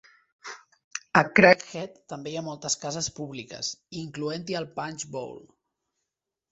A Craghead també hi ha moltes cases públiques, incloent-hi el Punch Bowl.